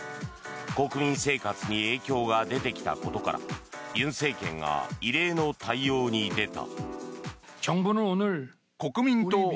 国民生活に影響が出てきたことから尹政権が異例の対応に出た。